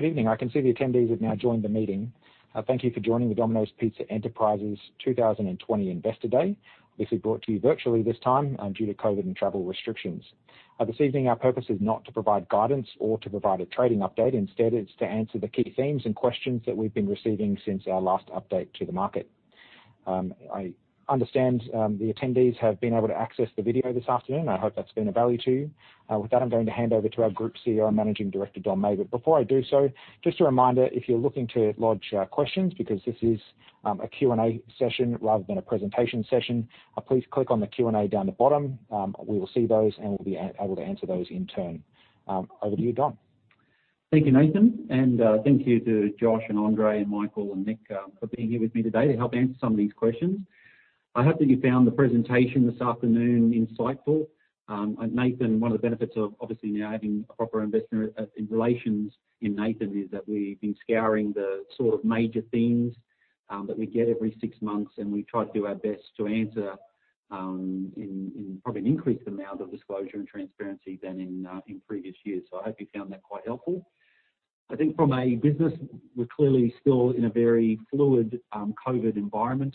Good evening. I can see the attendees have now joined the meeting. Thank you for joining the Domino's Pizza Enterprises 2020 Investor Day, which we brought to you virtually this time due to COVID and travel restrictions. This evening, our purpose is not to provide guidance or to provide a trading update. Instead, it's to answer the key themes and questions that we've been receiving since our last update to the market. I understand the attendees have been able to access the video this afternoon. I hope that's been of value to you. With that, I'm going to hand over to our Group CEO and Managing Director, Don Meij. But before I do so, just a reminder, if you're looking to lodge questions, because this is a Q&A session rather than a presentation session, please click on the Q&A down the bottom. We will see those and will be able to answer those in turn. Over to you, Don. Thank you, Nathan, and thank you to Josh and Andre and Michael and Nick for being here with me today to help answer some of these questions. I hope that you found the presentation this afternoon insightful. Nathan, one of the benefits of obviously now having a proper investor relations in Nathan is that we've been scouring the sort of major themes that we get every six months, and we try to do our best to answer in probably an increased amount of disclosure and transparency than in previous years. So I hope you found that quite helpful. I think from a business, we're clearly still in a very fluid COVID environment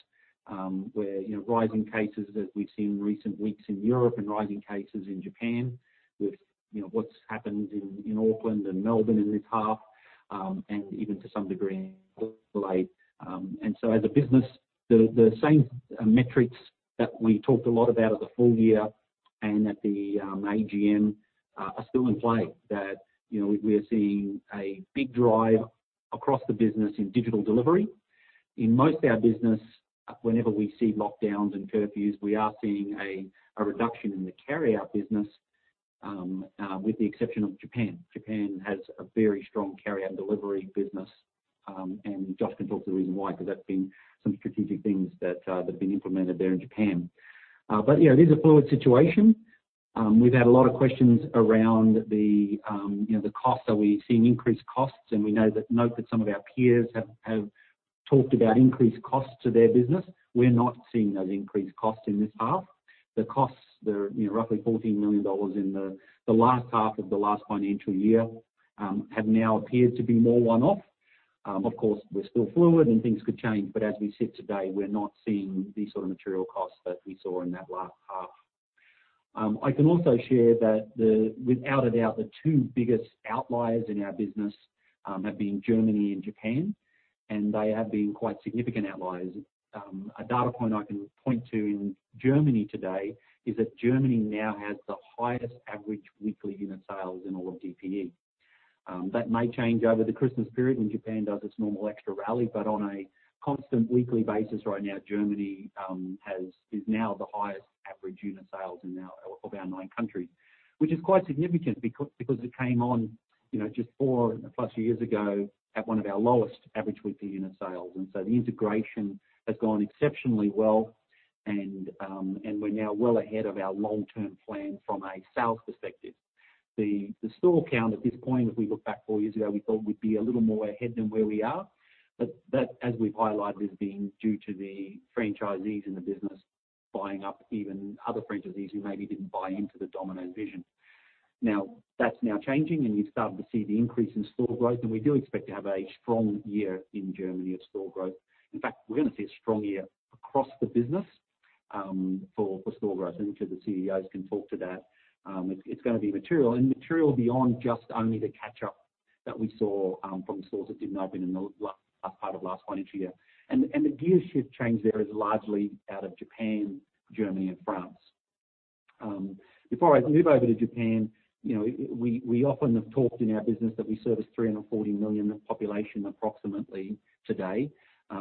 where rising cases, as we've seen in recent weeks in Europe, and rising cases in Japan with what's happened in Auckland and Melbourne in this half, and even to some degree in Italy. And so as a business, the same metrics that we talked a lot about at the full year and at the AGM are still in play, that we are seeing a big drive across the business in digital delivery. In most of our business, whenever we see lockdowns and curfews, we are seeing a reduction in the carry-out business, with the exception of Japan. Japan has a very strong carry-out delivery business. And Josh can talk to the reason why, because that's been some strategic things that have been implemented there in Japan. But yeah, it is a fluid situation. We've had a lot of questions around the costs. Are we seeing increased costs? And we know that some of our peers have talked about increased costs to their business. We're not seeing those increased costs in this half. The costs, the roughly 14 million dollars in the last half of the last financial year, have now appeared to be more one-off. Of course, we're still fluid and things could change, but as we sit today, we're not seeing the sort of material costs that we saw in that last half. I can also share that without a doubt, the two biggest outliers in our business have been Germany and Japan, and they have been quite significant outliers. A data point I can point to in Germany today is that Germany now has the highest average weekly unit sales in all of DPE. That may change over the Christmas period when Japan does its normal extra rally, but on a constant weekly basis right now, Germany is now the highest average unit sales in now of our nine countries, which is quite significant because it came on just four plus years ago at one of our lowest average weekly unit sales, and so the integration has gone exceptionally well, and we're now well ahead of our long-term plan from a sales perspective. The store count at this point, if we look back four years ago, we thought we'd be a little more ahead than where we are, but that, as we've highlighted, is being due to the franchisees in the business buying up even other franchisees who maybe didn't buy into the Domino's vision. Now, that's now changing, and you've started to see the increase in store growth, and we do expect to have a strong year in Germany of store growth. In fact, we're going to see a strong year across the business for store growth, and each of the CEOs can talk to that. It's going to be material and material beyond just only the catch-up that we saw from stores that didn't open in the last part of last financial year, and the gear shift change there is largely out of Japan, Germany, and France. Before I move over to Japan, we often have talked in our business that we service 340 million population approximately today.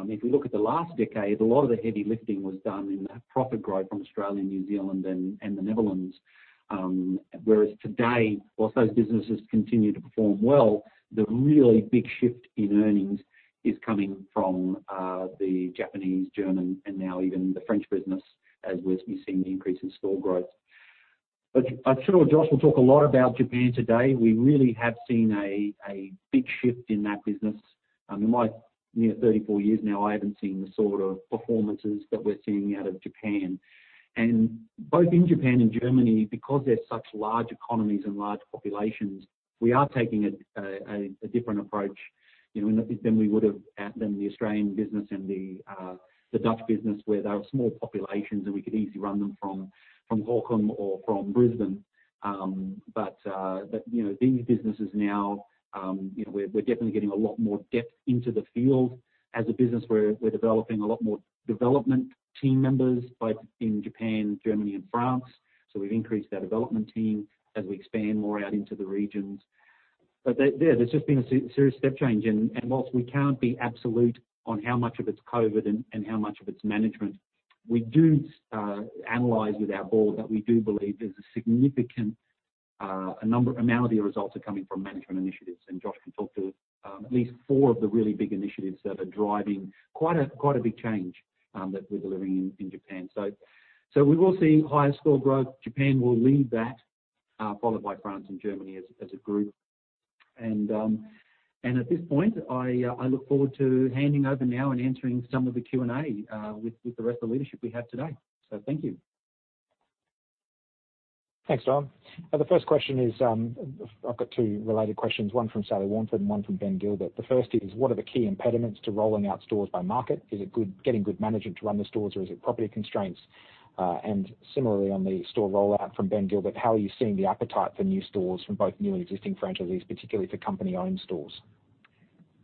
If we look at the last decade, a lot of the heavy lifting was done in the profit growth from Australia, New Zealand, and the Netherlands. Whereas today, while those businesses continue to perform well, the really big shift in earnings is coming from the Japanese, German, and now even the French business, as we're seeing the increase in store growth. I'm sure Josh will talk a lot about Japan today. We really have seen a big shift in that business. In my near 34 years now, I haven't seen the sort of performances that we're seeing out of Japan. And both in Japan and Germany, because they're such large economies and large populations, we are taking a different approach than we would have at the Australian business and the Dutch business, where they were small populations and we could easily run them from Houten or from Brisbane. But these businesses now, we're definitely getting a lot more depth into the field. As a business, we're developing a lot more development team members both in Japan, Germany, and France. So we've increased our development team as we expand more out into the regions. But there's just been a serious step change. And while we can't be absolute on how much of it's COVID and how much of it's management, we do analyze with our board that we do believe there's a significant amount of the results are coming from management initiatives. And Josh can talk to at least four of the really big initiatives that are driving quite a big change that we're delivering in Japan. So we will see higher store growth. Japan will lead that, followed by France and Germany as a group. And at this point, I look forward to handing over now and answering some of the Q&A with the rest of the leadership we have today. Thank you. Thanks, Don. The first question is, I've got two related questions, one from Sally Warneford and one from Ben Gilbert. The first is, what are the key impediments to rolling out stores by market? Is it getting good management to run the stores, or is it property constraints? And similarly, on the store rollout from Ben Gilbert, how are you seeing the appetite for new stores from both new and existing franchisees, particularly for company-owned stores?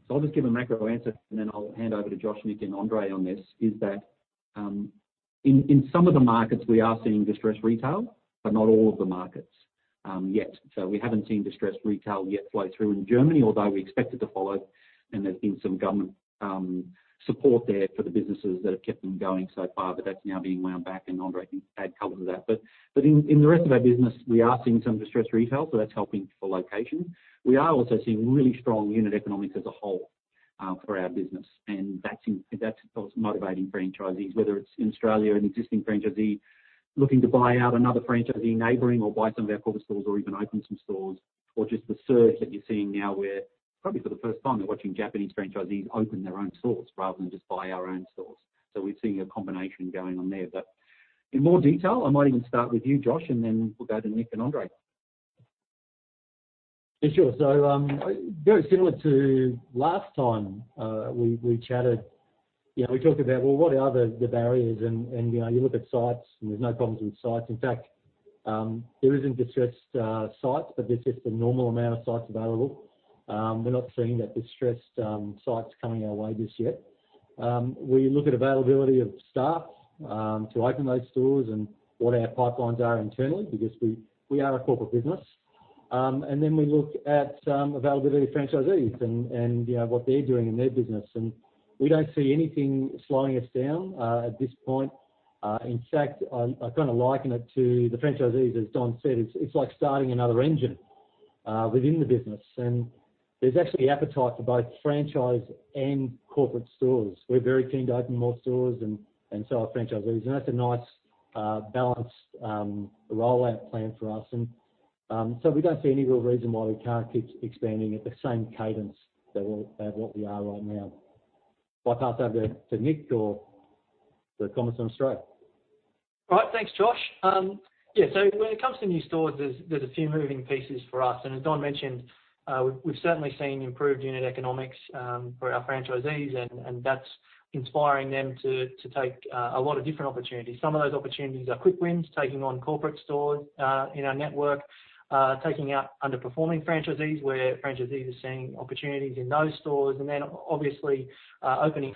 So I'll just give a macro answer, and then I'll hand over to Josh, Nick, and Andre on this. That is in some of the markets, we are seeing distressed retail, but not all of the markets yet, so we haven't seen distressed retail yet flow through in Germany, although we expect it to follow, and there's been some government support there for the businesses that have kept them going so far, but that's now being wound back, and Andre can add color to that, but in the rest of our business, we are seeing some distressed retail, so that's helping for location. We are also seeing really strong unit economics as a whole for our business. And that's motivating franchisees, whether it's in Australia or an existing franchisee looking to buy out another franchisee neighboring or buy some of our corporate stores or even open some stores, or just the surge that you're seeing now where probably for the first time they're watching Japanese franchisees open their own stores rather than just buy our own stores. So we're seeing a combination going on there. But in more detail, I might even start with you, Josh, and then we'll go to Nick and Andre. Sure. So very similar to last time we chatted, we talked about, well, what are the barriers? And you look at sites, and there's no problems with sites. In fact, there isn't distressed sites, but there's just a normal amount of sites available. We're not seeing that distressed sites coming our way just yet. We look at availability of staff to open those stores and what our pipelines are internally, because we are a corporate business. And then we look at availability of franchisees and what they're doing in their business. And we don't see anything slowing us down at this point. In fact, I kind of liken it to the franchisees, as Don said, it's like starting another engine within the business. And there's actually appetite for both franchise and corporate stores. We're very keen to open more stores and sell our franchisees. That's a nice balanced rollout plan for us. We don't see any real reason why we can't keep expanding at the same cadence that we are right now. I'll pass over to Nick or the Commerce Minister. All right, thanks, Josh. Yeah, so when it comes to new stores, there's a few moving pieces for us. And as Don mentioned, we've certainly seen improved unit economics for our franchisees, and that's inspiring them to take a lot of different opportunities. Some of those opportunities are quick wins, taking on corporate stores in our network, taking out underperforming franchisees where franchisees are seeing opportunities in those stores. And then obviously opening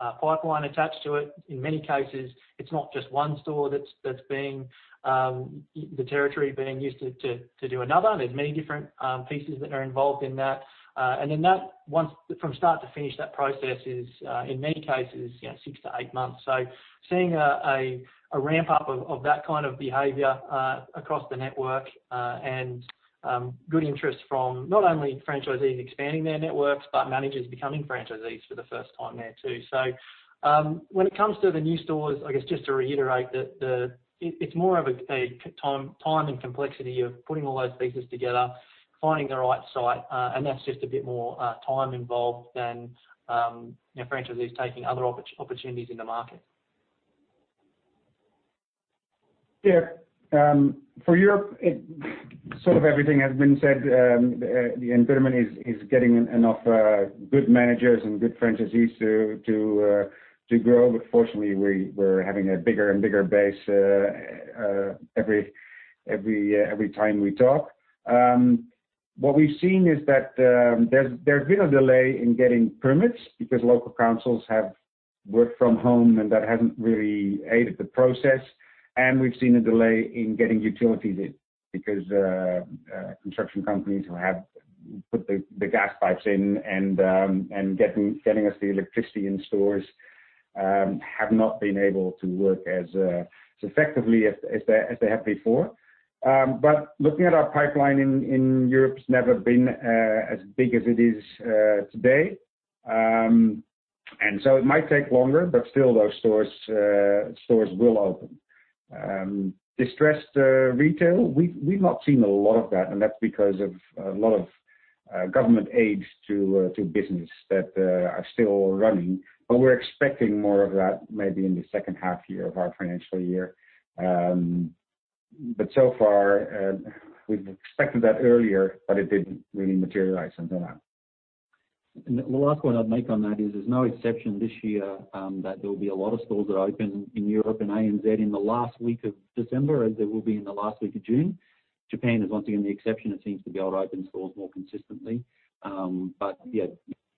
a pipeline attached to it. In many cases, it's not just one store that's being the territory being used to do another. There's many different pieces that are involved in that. And then that, from start to finish, that process is, in many cases, six to eight months. So, seeing a ramp-up of that kind of behavior across the network and good interest from not only franchisees expanding their networks, but managers becoming franchisees for the first time there too. So when it comes to the new stores, I guess just to reiterate that it's more of a time and complexity of putting all those pieces together, finding the right site. And that's just a bit more time involved than franchisees taking other opportunities in the market. Yeah. For Europe, sort of everything has been said. The impediment is getting enough good managers and good franchisees to grow, but fortunately, we're having a bigger and bigger base every time we talk. What we've seen is that there's been a delay in getting permits because local councils have worked from home, and that hasn't really aided the process, and we've seen a delay in getting utilities in because construction companies who have put the gas pipes in and getting us the electricity in stores have not been able to work as effectively as they have before, but looking at our pipeline in Europe has never been as big as it is today, and so it might take longer, but still those stores will open. Distressed retail, we've not seen a lot of that, and that's because of a lot of government aid to business that are still running. But we're expecting more of that maybe in the second half year of our financial year. But so far, we've expected that earlier, but it didn't really materialize until now. The last point I'd make on that is there's no exception this year that there will be a lot of stores that open in Europe and ANZ in the last week of December, as there will be in the last week of June. Japan is once again the exception. It seems to be able to open stores more consistently. But yeah,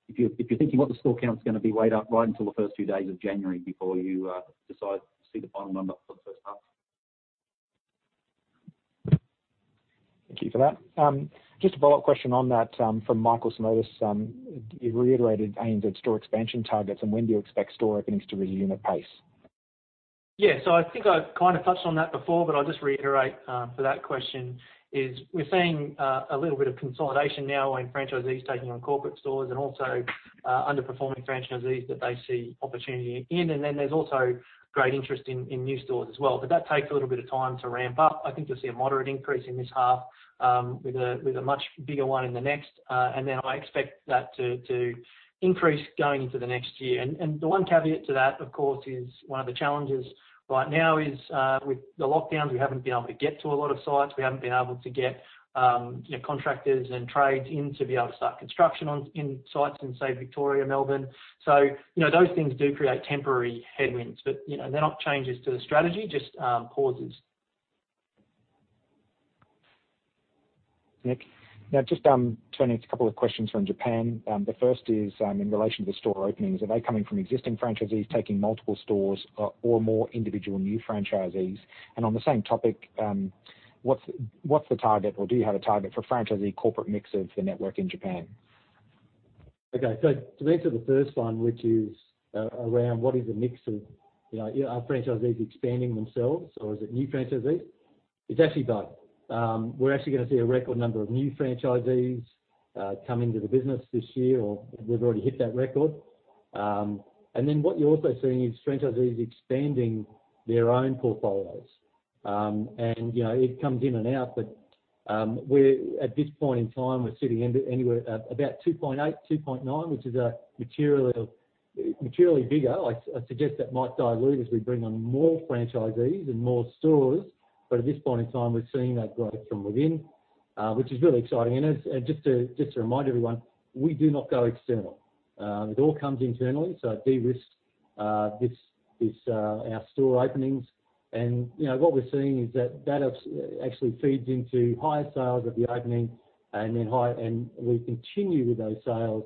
if you're thinking what the store count's going to be, wait right up until the first two days of January before you decide to see the final number for the first half. Thank you for that. Just a follow-up question on that from Michael Simotas. You've reiterated ANZ store expansion targets, and when do you expect store openings to resume at pace? Yeah, so I think I kind of touched on that before, but I'll just reiterate for that question. We're seeing a little bit of consolidation now when franchisees taking on corporate stores and also underperforming franchisees that they see opportunity in. And then there's also great interest in new stores as well. But that takes a little bit of time to ramp up. I think you'll see a moderate increase in this half with a much bigger one in the next. And then I expect that to increase going into the next year. And the one caveat to that, of course, is one of the challenges right now is with the lockdowns, we haven't been able to get to a lot of sites. We haven't been able to get contractors and trades in to be able to start construction in sites in, say, Victoria, Melbourne. So those things do create temporary headwinds, but they're not changes to the strategy, just pauses. Now, just turning to a couple of questions from Japan. The first is in relation to the store openings. Are they coming from existing franchisees taking multiple stores or more individual new franchisees? And on the same topic, what's the target, or do you have a target for franchisee corporate mix of the network in Japan? Okay. So to answer the first one, which is around what is the mix of are franchisees expanding themselves, or is it new franchisees? It's actually both. We're actually going to see a record number of new franchisees come into the business this year, or we've already hit that record. And then what you're also seeing is franchisees expanding their own portfolios. And it comes in and out, but at this point in time, we're sitting anywhere about 2.8-2.9, which is materially bigger. I suggest that might dilute as we bring on more franchisees and more stores. But at this point in time, we're seeing that growth from within, which is really exciting. And just to remind everyone, we do not go external. It all comes internally. So de-risk our store openings. And what we're seeing is that that actually feeds into higher sales at the opening. And we continue with those sales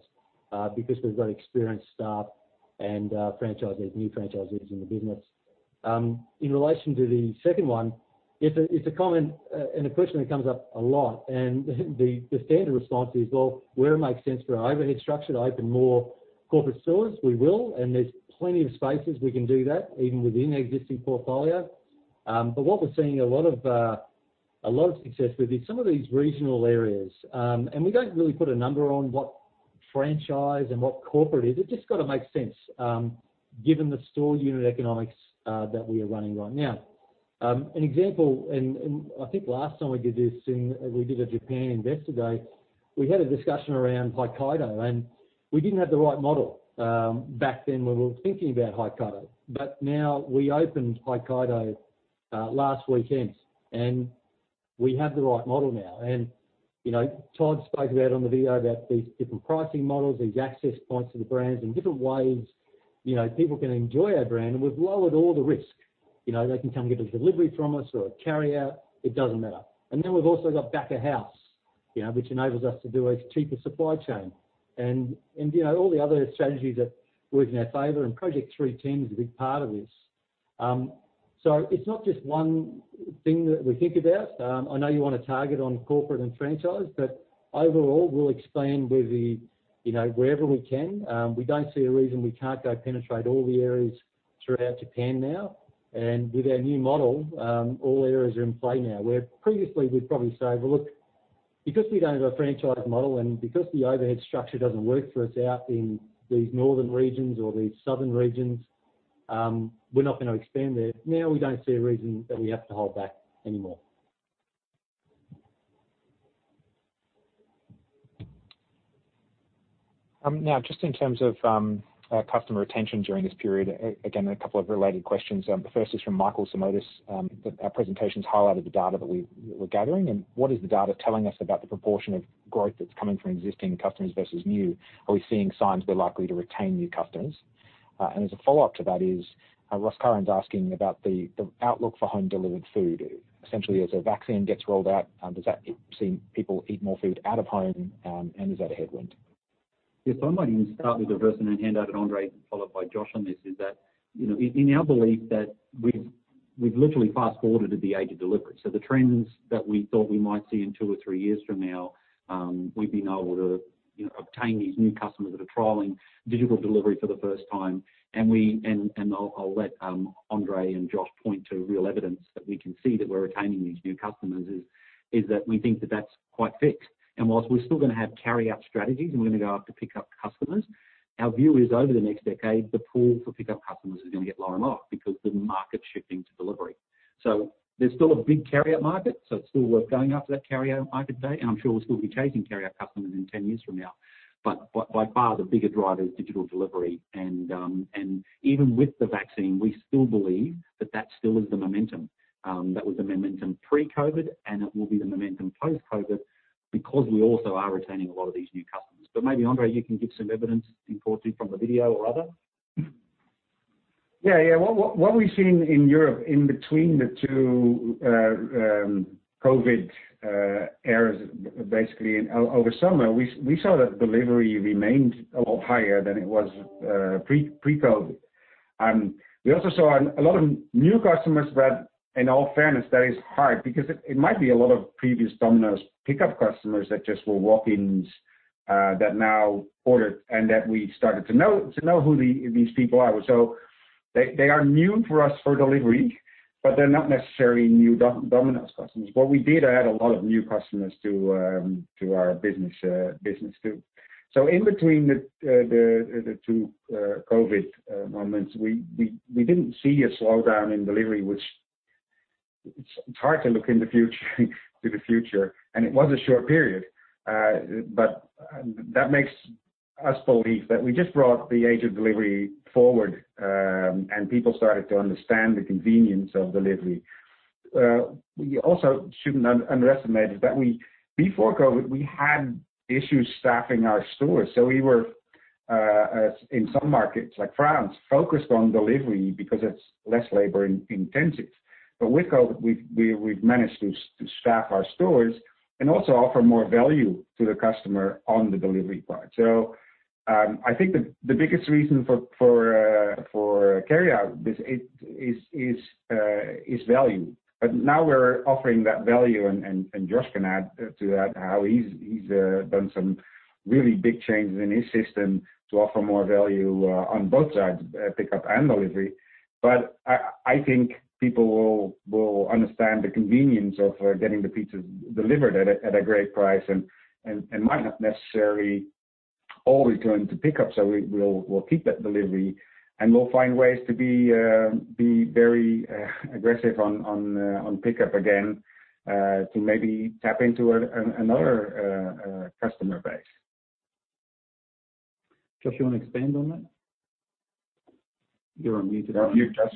because we've got experienced staff and new franchisees in the business. In relation to the second one, it's a common question that comes up a lot. And the standard response is, well, where it makes sense for our overhead structure to open more corporate stores, we will. And there's plenty of spaces we can do that, even within existing portfolio. But what we're seeing a lot of success with is some of these regional areas. And we don't really put a number on what franchise and what corporate is. It just got to make sense given the store unit economics that we are running right now. An example, and I think last time we did this, we did a Japan Investor Day. We had a discussion around Hokkaido, and we didn't have the right model back then when we were thinking about Hokkaido. But now we opened Hokkaido last weekend, and we have the right model now. And Todd spoke about it on the video about these different pricing models, these access points to the brands, and different ways people can enjoy our brand. And we've lowered all the risk. They can come get a delivery from us or a carryout. It doesn't matter. And then we've also got back of house, which enables us to do a cheaper supply chain and all the other strategies that work in our favor. And Project 3-10 is a big part of this. So it's not just one thing that we think about. I know you want to target on corporate and franchise, but overall, we'll expand wherever we can. We don't see a reason we can't go penetrate all the areas throughout Japan now. And with our new model, all areas are in play now. Where previously we'd probably say, well, look, because we don't have a franchise model and because the overhead structure doesn't work for us out in these northern regions or these southern regions, we're not going to expand there. Now we don't see a reason that we have to hold back anymore. Now, just in terms of customer retention during this period, again, a couple of related questions. The first is from Michael Simotas. Our presentation has highlighted the data that we were gathering, and what is the data telling us about the proportion of growth that's coming from existing customers versus new? Are we seeing signs we're likely to retain new customers, and as a follow-up to that is, Ross Curran's asking about the outlook for home-delivered food. Essentially, as a vaccine gets rolled out, does that seem people eat more food out of home, and is that a headwind? Yeah, so I might even start with the first and then hand out to Andre, followed by Josh on this. Is that in our belief that we've literally fast-forwarded to the age of delivery. So the trends that we thought we might see in two or three years from now, we've been able to obtain these new customers that are trialing digital delivery for the first time. And I'll let Andre and Josh point to real evidence that we can see that we're retaining these new customers is that we think that that's quite fixed. And while we're still going to have carryout strategies and we're going to go after pickup customers, our view is over the next decade, the pool for pickup customers is going to get lower and lower because the market's shifting to delivery. There's still a big carryout market, so it's still worth going after that carryout market day. And I'm sure we'll still be chasing carryout customers in 10 years from now. But by far, the bigger driver is digital delivery. And even with the vaccine, we still believe that that still is the momentum. That was the momentum pre-COVID, and it will be the momentum post-COVID because we also are retaining a lot of these new customers. But maybe, Andre, you can give some evidence input from the video or other. Yeah, yeah. What we've seen in Europe in between the two COVID eras, basically over summer, we saw that delivery remained a lot higher than it was pre-COVID. We also saw a lot of new customers, but in all fairness, that is hard because it might be a lot of previous Domino's pickup customers that just were walk-ins that now ordered, and that we started to know who these people are. So they are new for us for delivery, but they're not necessarily new Domino's customers. What we did add a lot of new customers to our business too, so in between the two COVID moments, we didn't see a slowdown in delivery, which it's hard to look into the future, and it was a short period, but that makes us believe that we just brought the age of delivery forward, and people started to understand the convenience of delivery. We also shouldn't underestimate that before COVID, we had issues staffing our stores. So we were, in some markets like France, focused on delivery because it's less labor-intensive. But with COVID, we've managed to staff our stores and also offer more value to the customer on the delivery part. So I think the biggest reason for carryout is value. But now we're offering that value. And Josh can add to that how he's done some really big changes in his system to offer more value on both sides, pickup and delivery. But I think people will understand the convenience of getting the pizza delivered at a great price and might not necessarily always go into pickup. So we'll keep that delivery and we'll find ways to be very aggressive on pickup again to maybe tap into another customer base. Josh, do you want to expand on that? You're on mute. No, you're Josh.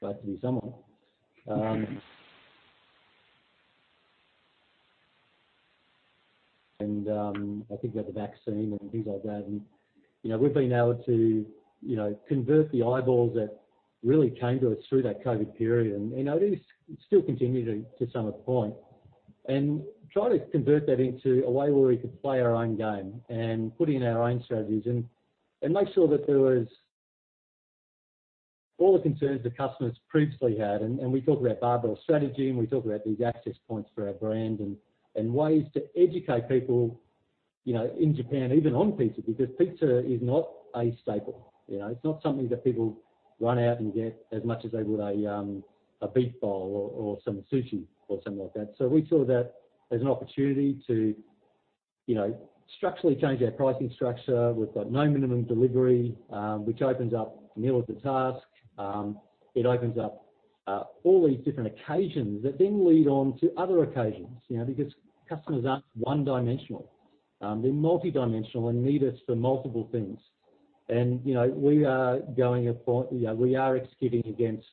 Glad to be someone. I think about the vaccine and things like that, and we've been able to convert the eyeballs that really came to us through that COVID period and at least still continue to some point and try to convert that into a way where we could play our own game and put in our own strategies and make sure that there was all the concerns the customers previously had, and we talk about barbell strategy, and we talk about these access points for our brand and ways to educate people in Japan, even on pizza, because pizza is not a staple. It's not something that people run out and get as much as they would a beef bowl or some sushi or something like that, so we saw that as an opportunity to structurally change our pricing structure. We've got no minimum delivery, which opens up meals as a task. It opens up all these different occasions that then lead on to other occasions because customers aren't one-dimensional. They're multi-dimensional and need us for multiple things, and we are at a point we are executing against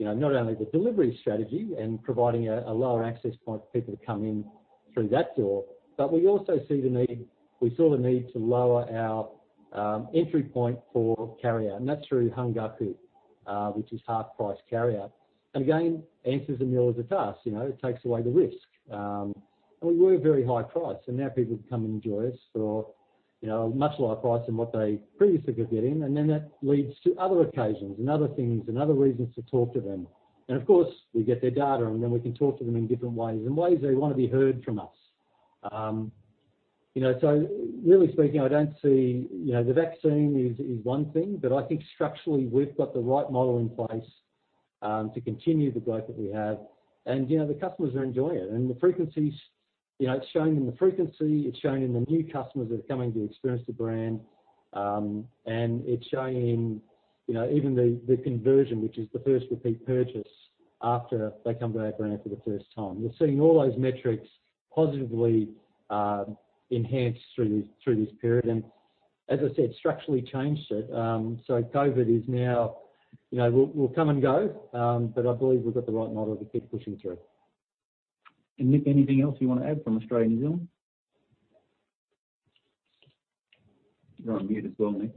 not only the delivery strategy and providing a lower access point for people to come in through that door, but we also saw the need to lower our entry point for carryout. That's through hangaku, which is half-price carryout, and again answers a meal as a task. It takes away the risk, and we were very high-priced, and now people can come and enjoy us for a much lower price than what they previously could get in, and then that leads to other occasions and other things and other reasons to talk to them. And of course, we get their data, and then we can talk to them in different ways and ways they want to be heard from us. So really speaking, I don't see the variance as one thing, but I think structurally we've got the right model in place to continue the growth that we have. And the customers are enjoying it. And the frequency is showing in the frequency. It's showing in the new customers that are coming to experience the brand. And it's showing in even the conversion, which is the first repeat purchase after they come to our brand for the first time. We're seeing all those metrics positively enhanced through this period. And as I said, structurally changed it. So COVID now will come and go, but I believe we've got the right model to keep pushing through. Nick, anything else you want to add from Australia and New Zealand? You're on mute as well, Nick.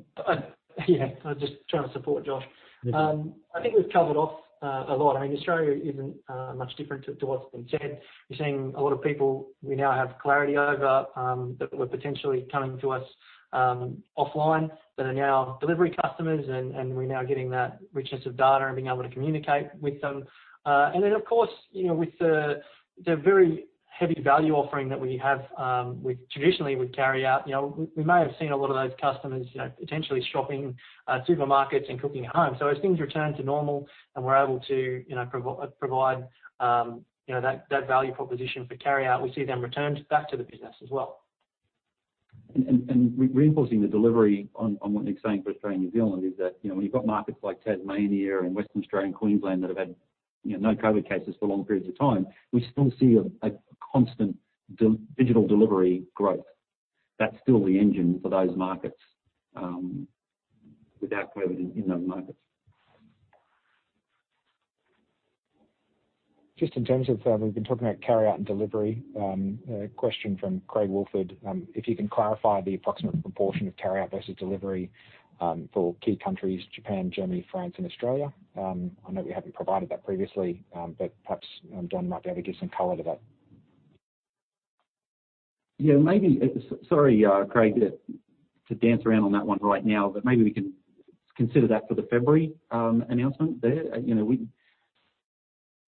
Yeah, I was just trying to support Josh. I think we've covered off a lot. I mean, Australia isn't much different to what's been said. You're seeing a lot of people we now have clarity over that were potentially coming to us offline that are now delivery customers, and we're now getting that richness of data and being able to communicate with them, and then, of course, with the very heavy value offering that we have traditionally with carryout, we may have seen a lot of those customers potentially shopping supermarkets and cooking at home, so as things return to normal and we're able to provide that value proposition for carryout, we see them return back to the business as well. Reinforcing the delivery on what Nick's saying for Australia and New Zealand is that when you've got markets like Tasmania and Western Australia and Queensland that have had no COVID cases for long periods of time, we still see a constant digital delivery growth. That's still the engine for those markets without COVID in those markets. Just in terms of we've been talking about carryout and delivery, question from Craig Woolford. If you can clarify the approximate proportion of carryout versus delivery for key countries, Japan, Germany, France, and Australia? I know we haven't provided that previously, but perhaps Don might be able to give some color to that. Yeah, maybe. Sorry, Craig, to dance around on that one right now, but maybe we can consider that for the February announcement there.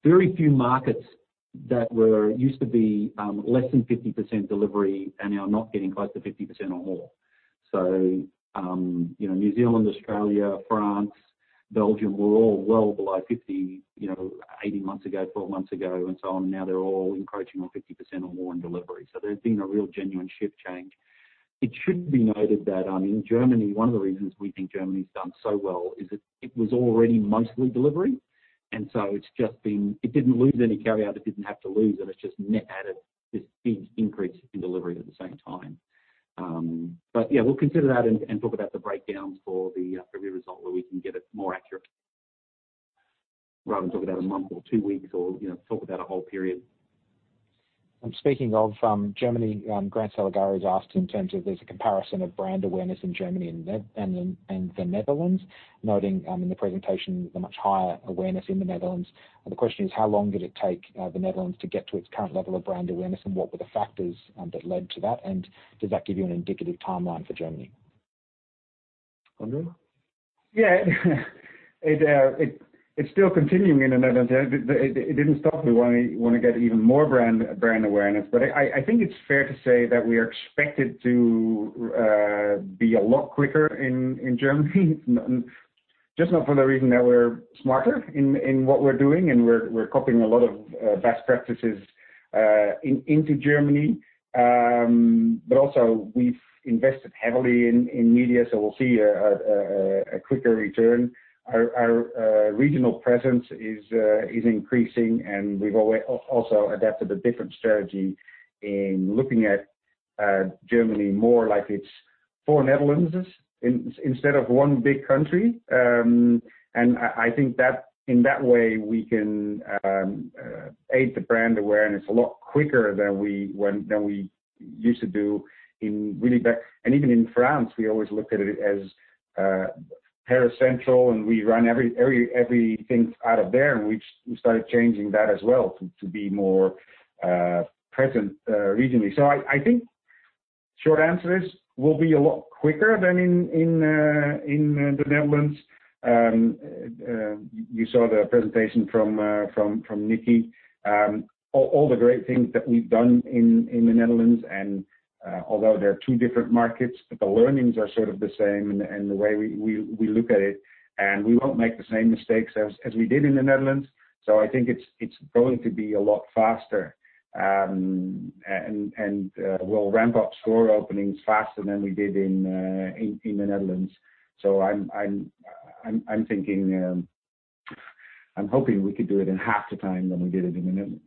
Very few markets that were used to be less than 50% delivery are now not getting close to 50% or more. So New Zealand, Australia, France, Belgium were all well below 50% 18 months ago, 12 months ago, and so on. Now they're all encroaching on 50% or more in delivery. So there's been a real genuine shift change. It should be noted that in Germany, one of the reasons we think Germany's done so well is it was already mostly delivery. And so it's just been. It didn't lose any carryout. It didn't have to lose. And it's just net added this big increase in delivery at the same time. Yeah, we'll consider that and talk about the breakdown for the February result where we can get it more accurate rather than talk about a month or two weeks or talk about a whole period. Speaking of Germany, Grant Saligari's asked in terms of there's a comparison of brand awareness in Germany and the Netherlands, noting in the presentation the much higher awareness in the Netherlands. The question is, how long did it take the Netherlands to get to its current level of brand awareness, and what were the factors that led to that?, and does that give you an indicative timeline for Germany? Andre? Yeah, it's still continuing in the Netherlands. It didn't stop. We want to get even more brand awareness. But I think it's fair to say that we are expected to be a lot quicker in Germany, just not for the reason that we're smarter in what we're doing. And we're copying a lot of best practices into Germany. But also, we've invested heavily in media, so we'll see a quicker return. Our regional presence is increasing, and we've also adapted a different strategy in looking at Germany more like it's four Netherlands instead of one big country. And I think that in that way, we can aid the brand awareness a lot quicker than we used to do in really back. And even in France, we always looked at it as Paris-central, and we run everything out of there. We started changing that as well to be more present regionally. So I think short answer is we'll be a lot quicker than in the Netherlands. You saw the presentation from Nicky. All the great things that we've done in the Netherlands, and although they're two different markets, the learnings are sort of the same and the way we look at it. And we won't make the same mistakes as we did in the Netherlands. So I think it's going to be a lot faster. And we'll ramp up store openings faster than we did in the Netherlands. So I'm thinking I'm hoping we could do it in half the time than we did it in the Netherlands.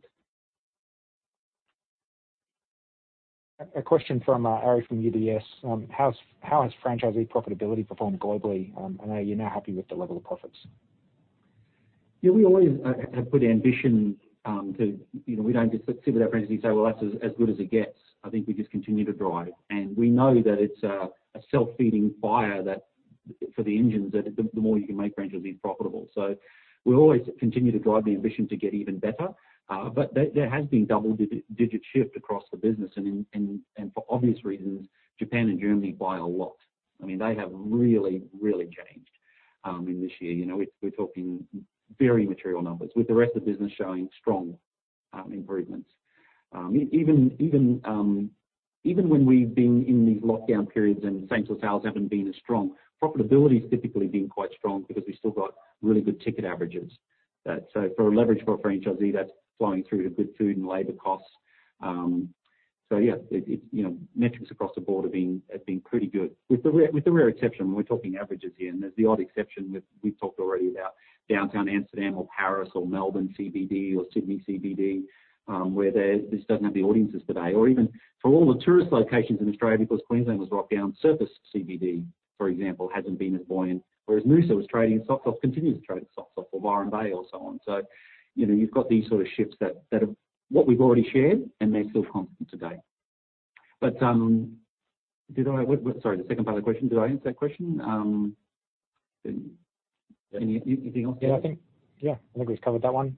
A question from Ari from UBS. How has franchisee profitability performed globally? And are you now happy with the level of profits? Yeah, we always have put ambition to. We don't just sit with our franchisees and say, "Well, that's as good as it gets." I think we just continue to drive, and we know that it's a self-feeding fire for the engines that the more you can make franchisees profitable. So we always continue to drive the ambition to get even better, but there has been double-digit shift across the business. For obvious reasons, Japan and Germany by a lot. I mean, they have really, really changed in this year. We're talking very material numbers with the rest of the business showing strong improvements. Even when we've been in these lockdown periods and same-store sales haven't been as strong, profitability has typically been quite strong because we've still got really good ticket averages, so for leverage for a franchisee, that's flowing through to good food and labor costs. So yeah, metrics across the board have been pretty good with the rare exception when we're talking averages here. And there's the odd exception we've talked already about downtown Amsterdam or Paris or Melbourne CBD or Sydney CBD where this doesn't have the audiences today. Or even for all the tourist locations in Australia because Queensland was locked down, Surfers CBD, for example, hasn't been as buoyant. Whereas Mosman was trading and Southport continues to trade at Southport or Byron Bay or so on. So you've got these sort of shifts that are what we've already shared, and they're still constant today. But did I, sorry, the second part of the question, did I answer that question? Anything else? Yeah, I think we've covered that one.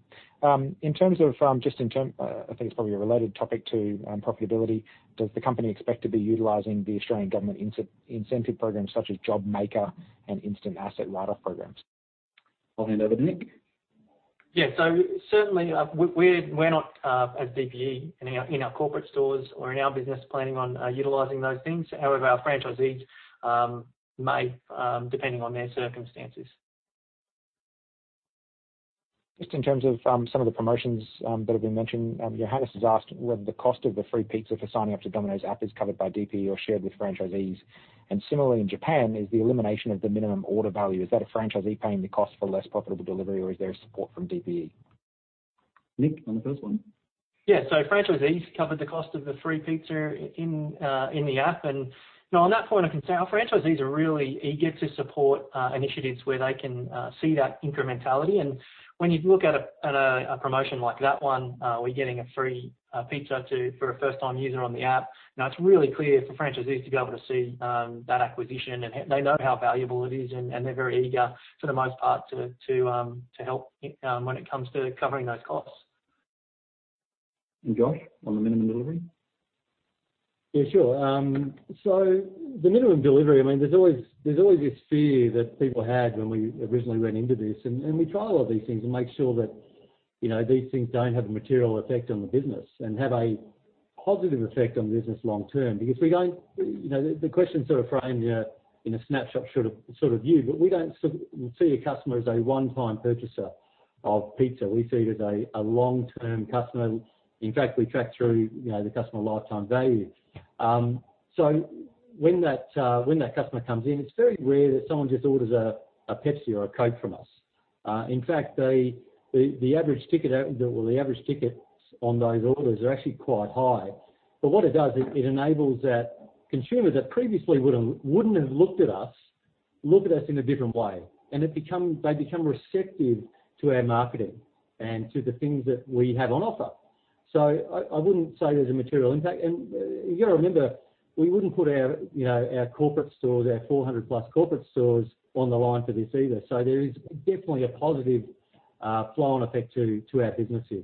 In terms of just, I think it's probably a related topic to profitability. Does the company expect to be utilizing the Australian government incentive programs such as JobMaker and Instant Asset Write-Off programs? I'll hand over to Nick. Yeah, so certainly we're not, as DPE, in our corporate stores or in our business planning on utilizing those things. However, our franchisees may, depending on their circumstances. Just in terms of some of the promotions that have been mentioned, Johannes has asked whether the cost of the free pizza for signing up to Domino's app is covered by DPE or shared with franchisees, and similarly, in Japan, is the elimination of the minimum order value, is that a franchisee paying the cost for less profitable delivery, or is there support from DPE? Nick, on the first one? Yeah, so franchisees cover the cost of the free pizza in the app, and on that point, I can say our franchisees are really eager to support initiatives where they can see that incrementality, and when you look at a promotion like that one, we're getting a free pizza for a first-time user on the app. Now, it's really clear for franchisees to be able to see that acquisition, and they know how valuable it is, and they're very eager for the most part to help when it comes to covering those costs. Josh on the minimum delivery? Yeah, sure, so the minimum delivery, I mean, there's always this fear that people had when we originally ran into this, and we try all of these things and make sure that these things don't have a material effect on the business and have a positive effect on the business long term because we don't. The question's sort of framed in a snapshot sort of view, but we don't see a customer as a one-time purchaser of pizza. We see it as a long-term customer. In fact, we track through the customer lifetime value, so when that customer comes in, it's very rare that someone just orders a Pepsi or a Coke from us. In fact, the average ticket or the average ticket on those orders are actually quite high. But what it does, it enables that consumer that previously wouldn't have looked at us, look at us in a different way. And they become receptive to our marketing and to the things that we have on offer. So I wouldn't say there's a material impact. And you got to remember, we wouldn't put our corporate stores, our 400-plus corporate stores on the line for this either. So there is definitely a positive flow-on effect to our business here.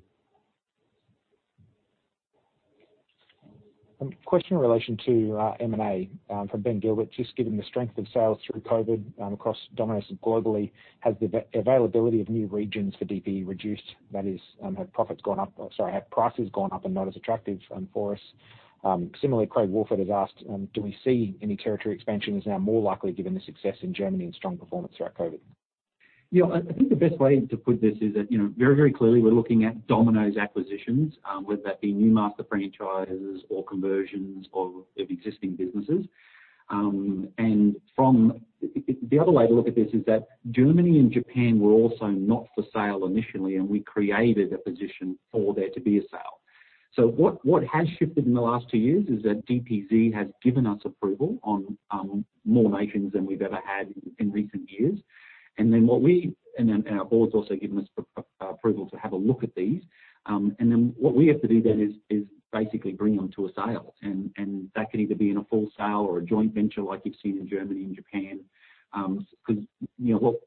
Question in relation to M&A from Ben Gilbert. Just given the strength of sales through COVID across Domino's globally, has the availability of new regions for DPE reduced? That is, have profits gone up or sorry, have prices gone up and not as attractive for us? Similarly, Craig Woolford has asked, do we see any territory expansion is now more likely given the success in Germany and strong performance throughout COVID? Yeah, I think the best way to put this is that very, very clearly, we're looking at Domino's acquisitions, whether that be new master franchises or conversions of existing businesses. And the other way to look at this is that Germany and Japan were also not for sale initially, and we created a position for there to be a sale. So what has shifted in the last two years is that DPZ has given us approval on more nations than we've ever had in recent years. And then what we and our board's also given us approval to have a look at these. And then what we have to do then is basically bring them to a sale. And that can either be in a full sale or a joint venture like you've seen in Germany, in Japan. Because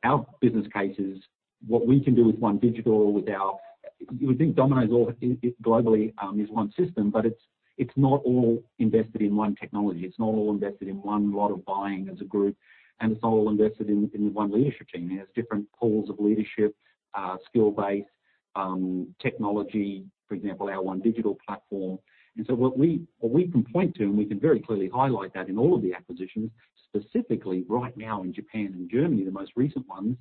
our business case is what we can do with one digital or with our you would think Domino's globally is one system, but it's not all invested in one technology. It's not all invested in one lot of buying as a group. And it's not all invested in one leadership team. There's different pools of leadership, skill base, technology, for example, our OneDigital platform. And so what we can point to, and we can very clearly highlight that in all of the acquisitions, specifically right now in Japan and Germany, the most recent ones.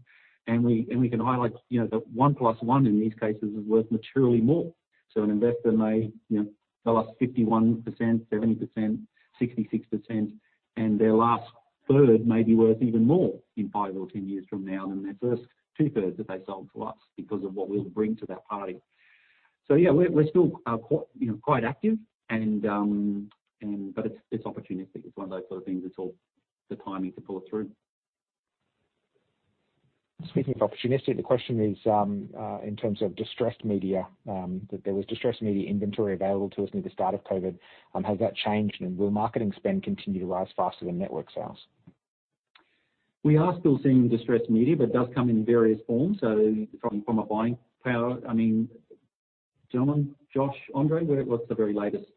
And we can highlight that one plus one in these cases is worth materially more. So an investor may they'll have 51%, 70%, 66% and their last third may be worth even more in five or 10 years from now than their first two-thirds that they sold to us because of what we'll bring to that party. So yeah, we're still quite active. But it's opportunistic. It's one of those sort of things that's all the timing to pull it through. Speaking of opportunistic, the question is in terms of distressed media, that there was distressed media inventory available to us near the start of COVID. Has that changed, and will marketing spend continue to rise faster than network sales? We are still seeing distressed media, but it does come in various forms. So from a buying power I mean, John, Josh, Andre? What's the very latest?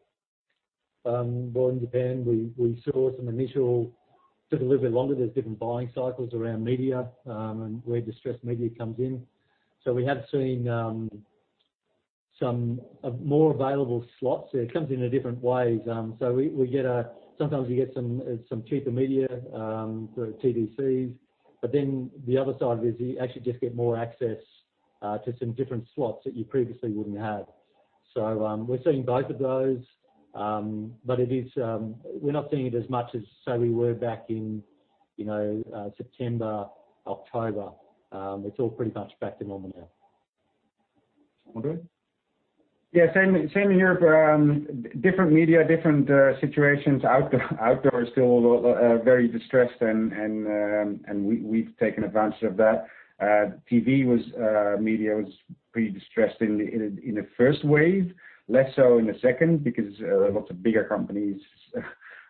In Japan, we saw some initially took a little bit longer. There's different buying cycles around media and where distressed media comes in. We have seen some more available slots. It comes in different ways. Sometimes you get some cheaper media for TVCs, but the other side of it is you actually just get more access to some different slots that you previously wouldn't have, so we're seeing both of those, but we're not seeing it as much as, say, we were back in September, October. It's all pretty much back to normal now. Andre? Yeah, same in Europe. Different media, different situations. Outdoor is still very distressed, and we've taken advantage of that. TV media was pretty distressed in the first wave, less so in the second because lots of bigger companies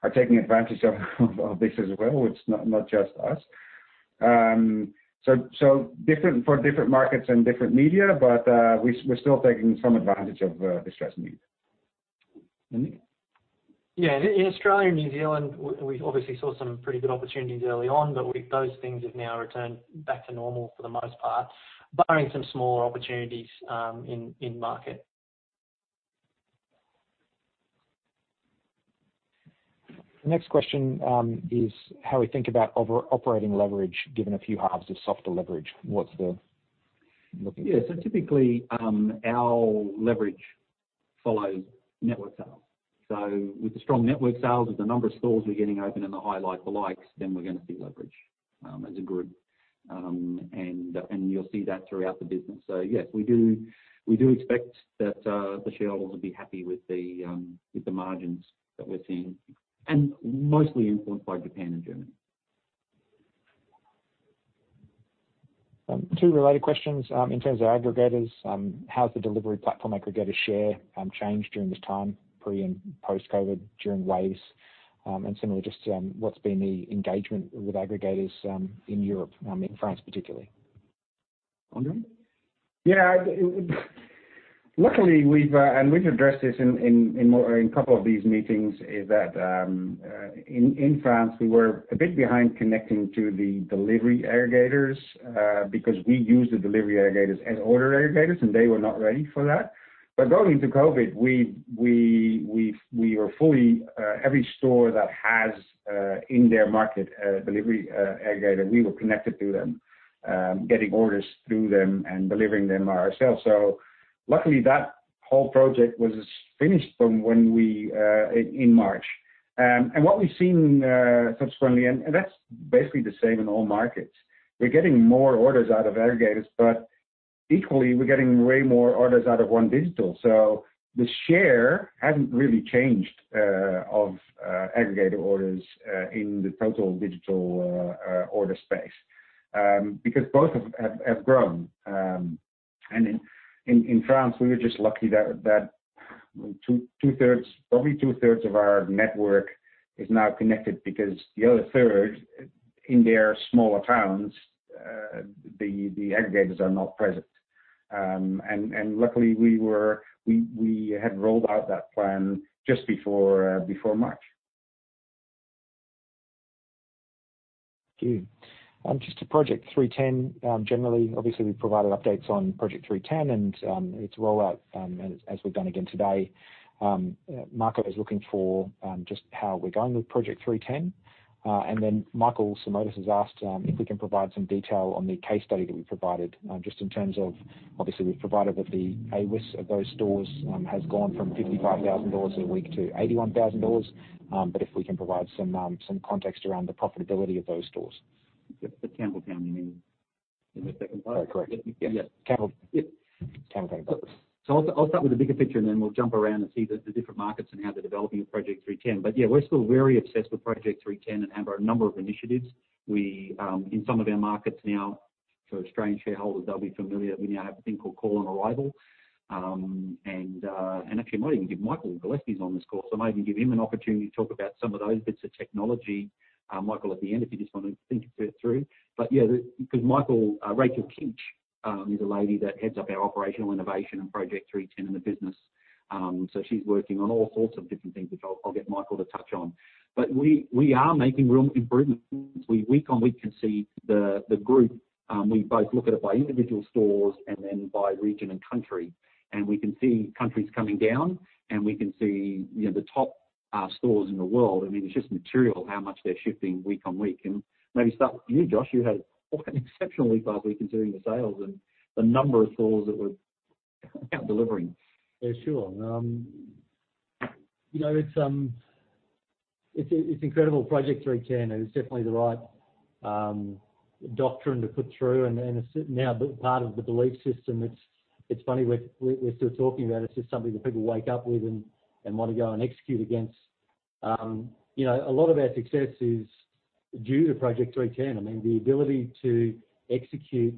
are taking advantage of this as well, which is not just us. So for different markets and different media, but we're still taking some advantage of distressed media. And Nick? Yeah, in Australia and New Zealand, we obviously saw some pretty good opportunities early on, but those things have now returned back to normal for the most part, barring some smaller opportunities in market. Next question is how we think about operating leverage given a few halves of soft leverage. What's the outlook? Yeah, so typically, our leverage follows network sales. So with the strong network sales, with the number of stores we're getting open and the high like the likes, then we're going to see leverage as a group. And you'll see that throughout the business. So yes, we do expect that the shareholders will be happy with the margins that we're seeing, and mostly influenced by Japan and Germany. Two related questions. In terms of aggregators, how has the delivery platform aggregator share changed during this time, pre and post-COVID, during waves? And similarly, just what's been the engagement with aggregators in Europe, in France particularly? Andre? Yeah, luckily, and we've addressed this in a couple of these meetings, is that in France, we were a bit behind connecting to the delivery aggregators because we use the delivery aggregators as order aggregators, and they were not ready for that. But going into COVID, we were fully every store that has in their market a delivery aggregator, we were connected to them, getting orders through them and delivering them ourselves. So luckily, that whole project was finished when we in March. And what we've seen subsequently, and that's basically the same in all markets. We're getting more orders out of aggregators, but equally, we're getting way more orders out of our digital. So the share hasn't really changed of aggregator orders in the total digital order space because both have grown. In France, we were just lucky that probably two-thirds of our network is now connected because the other third, in their smaller towns, the aggregators are not present. Luckily, we had rolled out that plan just before March. Thank you. Just to Project 3-10, generally, obviously, we provided updates on Project 3-10 and its rollout, as we've done again today. Marco is looking for just how we're going with Project 3-10. Then Michael Simotas has asked if we can provide some detail on the case study that we provided, just in terms of obviously, we've provided that the AWUS of those stores has gone from 55,000 dollars a week to 81,000 dollars, but if we can provide some context around the profitability of those stores. The Campbell family means in the second part? Correct. Yeah. Campbell. Yep. Campbell family. I'll start with the bigger picture, and then we'll jump around and see the different markets and how they're developing with Project 3-10. Yeah, we're still very obsessed with Project 3-10 and have a number of initiatives. In some of our markets now, for Australian shareholders, they'll be familiar. We now have a thing called Call on Arrival. Actually, I might even give Michael Gillespie on this call. I might even give him an opportunity to talk about some of those bits of technology. Michael, at the end, if you just want to think it through. Yeah, because Rachel Kinch is a lady that heads up our operational innovation and Project 3-10 in the business. She's working on all sorts of different things, which I'll get Michael to touch on. We are making real improvements. Week on week, we can see the group. We both look at it by individual stores and then by region and country. We can see countries coming down, and we can see the top stores in the world. I mean, it's just material how much they're shifting week on week. Maybe start with you, Josh. You had an exceptional week last week considering the sales and the number of stores that were out delivering. Yeah, sure. It's incredible. Project 3-10 is definitely the right doctrine to put through and now part of the belief system. It's funny, we're still talking about it. It's just something that people wake up with and want to go and execute against. A lot of our success is due to Project 3-10. I mean, the ability to execute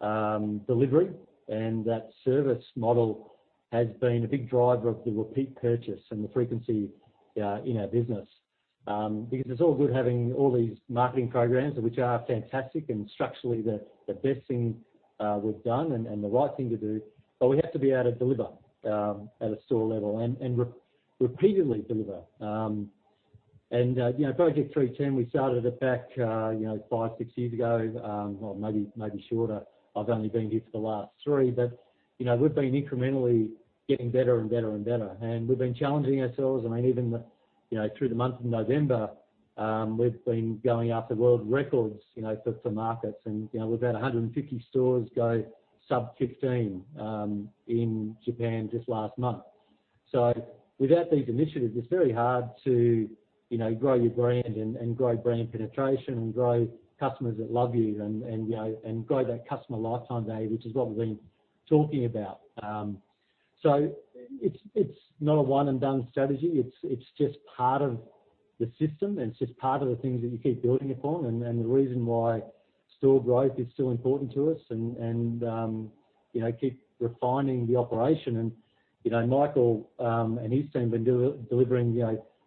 delivery and that service model has been a big driver of the repeat purchase and the frequency in our business. Because it's all good having all these marketing programs, which are fantastic and structurally the best thing we've done and the right thing to do. But we have to be able to deliver at a store level and repeatedly deliver, and Project 3-10 we started it back five, six years ago, or maybe shorter. I've only been here for the last three. But we've been incrementally getting better and better and better. And we've been challenging ourselves. I mean, even through the month of November, we've been going after world records for markets. And we've had 150 stores go sub-15 in Japan just last month. So without these initiatives, it's very hard to grow your brand and grow brand penetration and grow customers that love you and grow that customer lifetime value, which is what we've been talking about. So it's not a one-and-done strategy. It's just part of the system, and it's just part of the things that you keep building upon. And the reason why store growth is still important to us and keep refining the operation. And Michael and his team have been delivering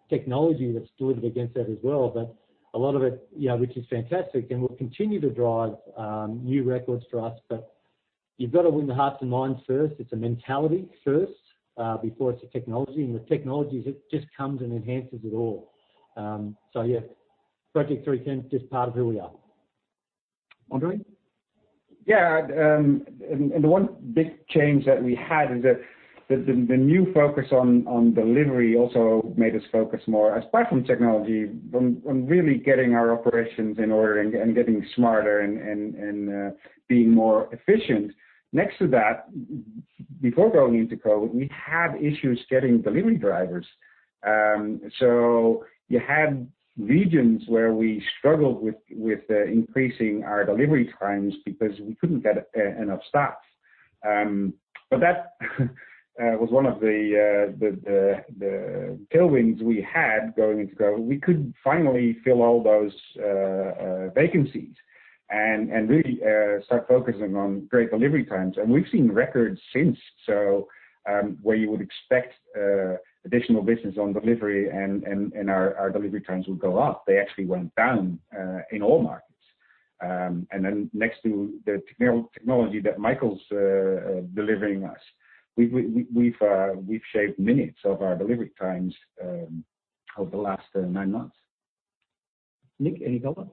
technology that's delivered against that as well. But a lot of it, which is fantastic, and will continue to drive new records for us. But you've got to win the hearts and minds first. It's a mentality first before it's a technology. And the technology just comes and enhances it all. So yeah, Project 3-10 is just part of who we are. Andre? Yeah. And the one big change that we had is that the new focus on delivery also made us focus more, aside from technology, on really getting our operations in order and getting smarter and being more efficient. Next to that, before going into COVID, we had issues getting delivery drivers. So you had regions where we struggled with increasing our delivery times because we couldn't get enough staff. But that was one of the tailwinds we had going into COVID. We could finally fill all those vacancies and really start focusing on great delivery times. And we've seen records since. So where you would expect additional business on delivery and our delivery times would go up, they actually went down in all markets. And then next to the technology that Michael's delivering us, we've shaved minutes off our delivery times over the last nine months. Nick, any thoughts?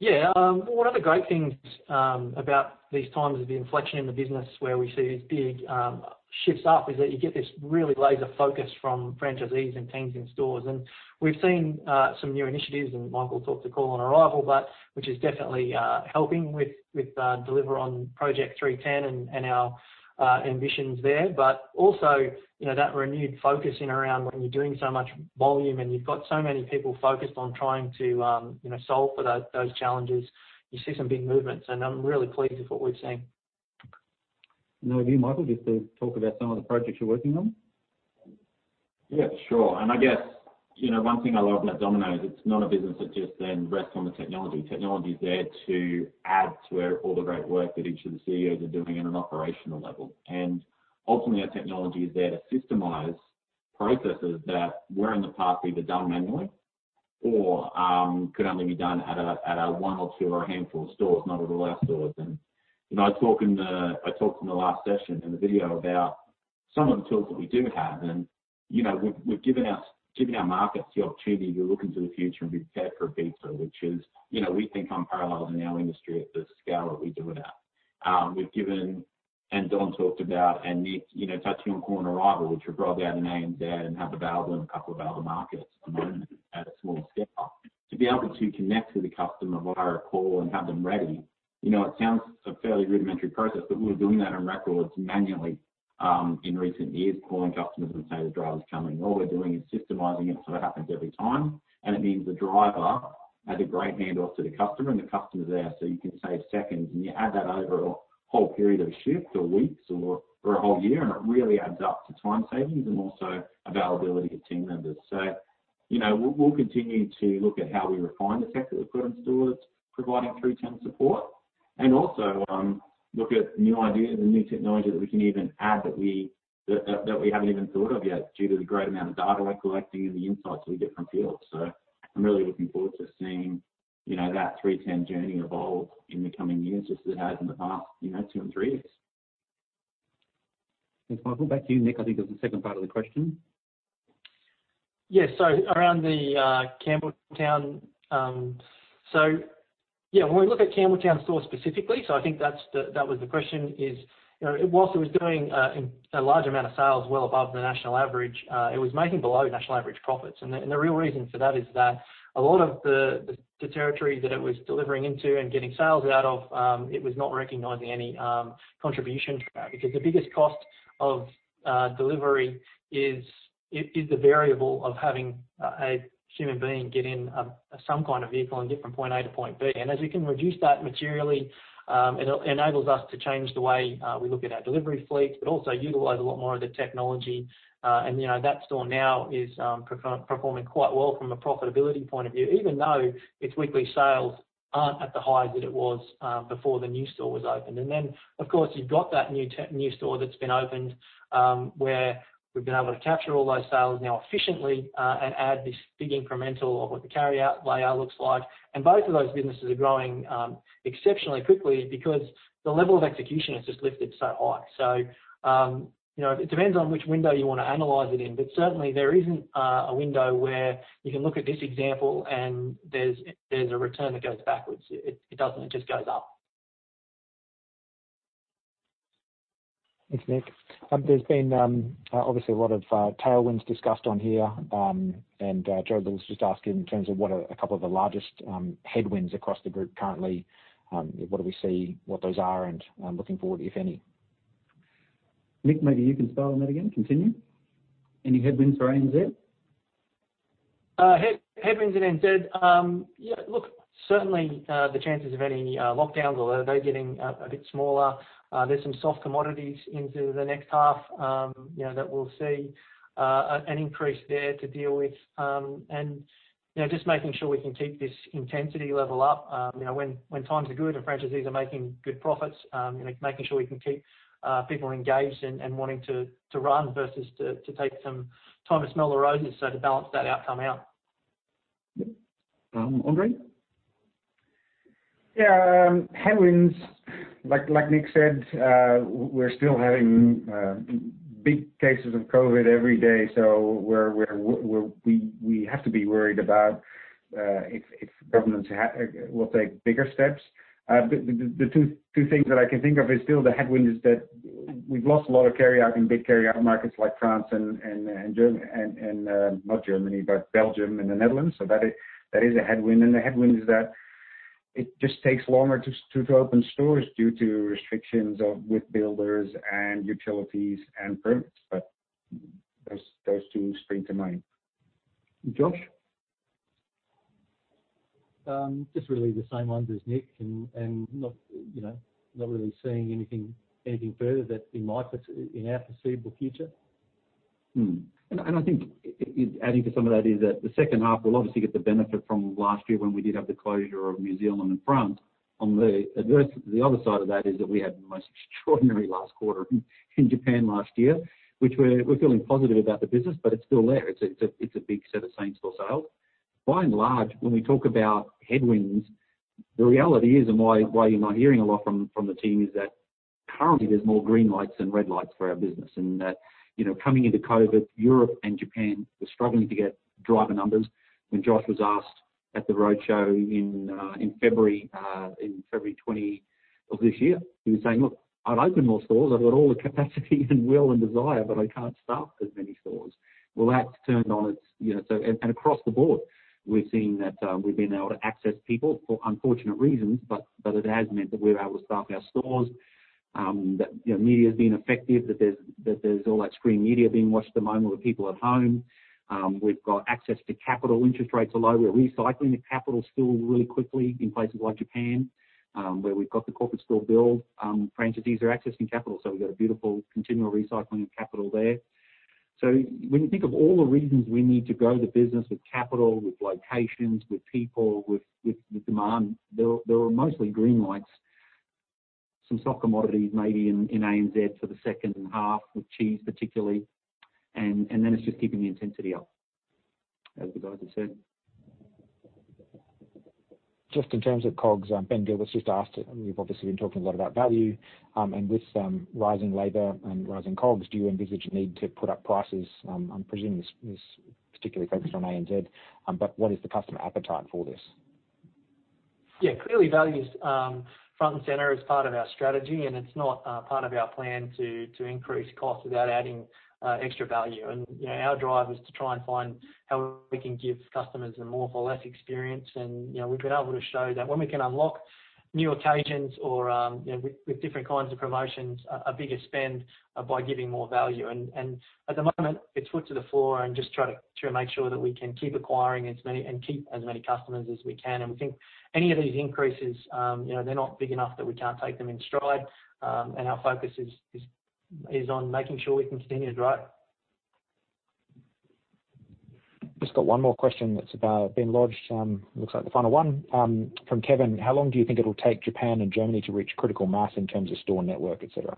Yeah. One of the great things about these times of the inflection in the business where we see these big shifts up is that you get this really laser focus from franchisees and teams in stores. And we've seen some new initiatives, and Michael talked to Call on Arrival, which is definitely helping with deliver on Project 3-10 and our ambitions there. But also that renewed focus in around when you're doing so much volume and you've got so many people focused on trying to solve for those challenges, you see some big movements. And I'm really pleased with what we've seen. No, do you, Michael, just to talk about some of the projects you're working on? Yeah, sure. And I guess one thing I love about Domino's is it's not a business that just then rests on the technology. Technology is there to add to all the great work that each of the CEOs are doing at an operational level. And ultimately, our technology is there to systemize processes that were in the past either done manually or could only be done at one or two or a handful of stores, not at all our stores. And I talked in the last session in the video about some of the tools that we do have. And we've given our markets the opportunity to look into the future and be prepared for a V2, which is we think unparalleled in our industry at the scale that we do it at. We've given, and Don talked about, and Nick, touching on Call on Arrival, which we've rolled out in ANZ and have available in a couple of other markets at a smaller scale. To be able to connect with the customer via a call and have them ready, it sounds like a fairly rudimentary process, but we were doing that on the road manually in recent years, calling customers and saying, "The driver's coming." All we're doing is systemizing it so it happens every time. It means the driver has a great handoff to the customer, and the customer's there. So you can save seconds, and you add that over a whole period of a shift or weeks or a whole year, and it really adds up to time savings and also availability of team members. So we'll continue to look at how we refine the tech that we've put in stores, providing 3-10 support, and also look at new ideas and new technology that we can even add that we haven't even thought of yet due to the great amount of data we're collecting and the insights we get from field. So I'm really looking forward to seeing that 3-10 journey evolve in the coming years, just as it has in the past two and three years. Thanks, Michael. Back to you, Nick. I think that was the second part of the question. Yeah. So around the Campbelltown. So yeah, when we look at Campbelltown store specifically, so I think that was the question, is while it was doing a large amount of sales well above the national average, it was making below national average profits. And the real reason for that is that a lot of the territory that it was delivering into and getting sales out of, it was not recognizing any contribution to that. Because the biggest cost of delivery is the variable of having a human being get in some kind of vehicle and get from point A to point B. And as we can reduce that materially, it enables us to change the way we look at our delivery fleet, but also utilize a lot more of the technology. That store now is performing quite well from a profitability point of view, even though its weekly sales aren't at the highs that it was before the new store was opened. Then, of course, you've got that new store that's been opened where we've been able to capture all those sales now efficiently and add this big incremental of what the carryout layout looks like. Both of those businesses are growing exceptionally quickly because the level of execution has just lifted so high. It depends on which window you want to analyze it in, but certainly, there isn't a window where you can look at this example and there's a return that goes backwards. It doesn't. It just goes up. Thanks, Nick. There's been obviously a lot of tailwinds discussed on here. And Joe was just asking in terms of what are a couple of the largest headwinds across the group currently. What do we see those are and looking forward, if any? Nick, maybe you can spell on that again. Continue. Any headwinds for A and Z? Headwinds in ANZ. Yeah, look, certainly the chances of any lockdowns, although they're getting a bit smaller. There's some soft commodities into the next half that we'll see an increase there to deal with, and just making sure we can keep this intensity level up when times are good and franchisees are making good profits, making sure we can keep people engaged and wanting to run versus to take some time to smell the roses to balance that outcome out. Yep. Andre? Yeah. Headwinds, like Nick said, we're still having big cases of COVID every day, so we have to be worried about if governments will take bigger steps. The two things that I can think of is still the headwind is that we've lost a lot of carryout in big carryout markets like France and not Germany, but Belgium and the Netherlands, so that is a headwind, and the headwind is that it just takes longer to open stores due to restrictions with builders and utilities and permits, but those two spring to mind. Josh? Just really the same ones as Nick and not really seeing anything further in our foreseeable future. And I think adding to some of that is that the second half, we'll obviously get the benefit from last year when we did have the closure of New Zealand and France. On the other side of that is that we had the most extraordinary last quarter in Japan last year, which we're feeling positive about the business, but it's still there. It's a big set of same-store sales. By and large, when we talk about headwinds, the reality is, and why you're not hearing a lot from the team, is that currently there's more green lights than red lights for our business. And coming into COVID, Europe and Japan were struggling to get driver numbers. When Josh was asked at the roadshow in February of this year, he was saying, "Look, I've opened more stores. I've got all the capacity and will and desire, but I can't staff as many stores." Well, that's turned on, and across the board, we've seen that we've been able to access people for unfortunate reasons, but it has meant that we're able to staff our stores, that media is being effective, that there's all that screen media being watched at the moment with people at home. We've got access to capital. Interest rates are low. We're recycling the capital still really quickly in places like Japan, where we've got the corporate store built. Franchisees are accessing capital, so we've got a beautiful continual recycling of capital there. So when you think of all the reasons we need to grow the business with capital, with locations, with people, with demand, there are mostly green lights, some soft commodities maybe in A and Z for the second half with cheese particularly. And then it's just keeping the intensity up, as the guys have said. Just in terms of COGS, Ben Gilbert was just asked. We've obviously been talking a lot about value, and with rising labor and rising COGS, do you envisage a need to put up prices? I'm presuming this is particularly focused on A and Z, but what is the customer appetite for this? Yeah. Clearly, value is front and center as part of our strategy. And it's not part of our plan to increase costs without adding extra value. And our drive is to try and find how we can give customers a more for less experience. And we've been able to show that when we can unlock new occasions or with different kinds of promotions, a bigger spend by giving more value. And at the moment, it's foot to the floor and just try to make sure that we can keep acquiring as many and keep as many customers as we can. And we think any of these increases, they're not big enough that we can't take them in stride. And our focus is on making sure we can continue to grow. Just got one more question that's been lodged. Looks like the final one from Kevin. How long do you think it'll take Japan and Germany to reach critical mass in terms of store network, etc.?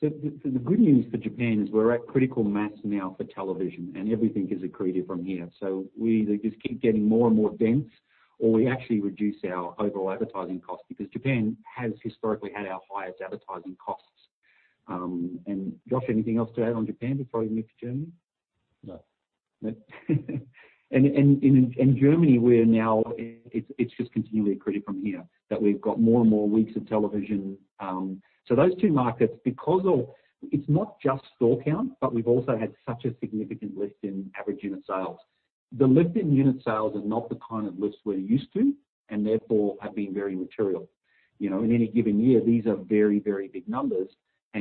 So the good news for Japan is we're at critical mass now for television, and everything is accretive from here. So we either just keep getting more and more dense or we actually reduce our overall advertising costs because Japan has historically had our highest advertising costs. And Josh, anything else to add on Japan before we move to Germany? No. No, and in Germany, we're now, it's just continually accretive from here that we've got more and more weeks of television. So those two markets, because it's not just store count, but we've also had such a significant lift in average unit sales. The lift in unit sales are not the kind of lifts we're used to and therefore have been very material. In any given year, these are very, very big numbers,